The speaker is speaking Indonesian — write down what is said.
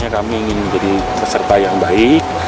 kami ingin menjadi peserta yang baik